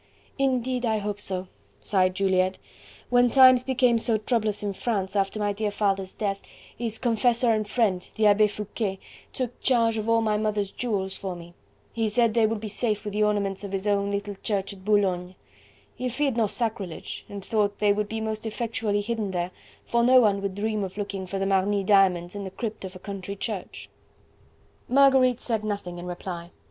"Indeed I hope so," sighed Juliette. "When times became so troublous in France after my dear father's death, his confessor and friend, the Abbe Foucquet, took charge of all my mother's jewels for me. He said they would be safe with the ornaments of his own little church at Boulogne. He feared no sacrilege, and thought they would be most effectually hidden there, for no one would dream of looking for the Marny diamonds in the crypt of a country church." Marguerite said nothing in reply.